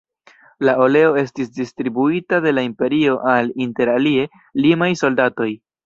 La oleo estis distribuita de la imperio al, inter alie, limaj soldatoj.